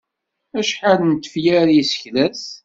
Acḥal n tefyar i yessekles?